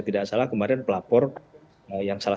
tidak salah kemarin pelapor yang salah